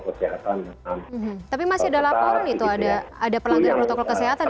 tapi masih ada laporan itu ada pelanggan protokol kesehatan di lokasi syuting